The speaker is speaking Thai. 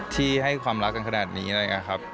ที่ให้ความรักกันขนาดนี้นะครับ